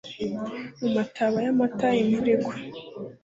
mu mataba ya mata imvura igwa